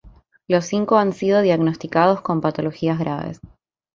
Los cinco han sido diagnosticados con patologías graves.